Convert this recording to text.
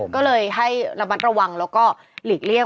ก็เลยให้ระมัดระวังแล้วก็หลีกเลี่ยง